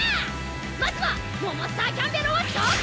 まずはモモスターキャンベロを召喚！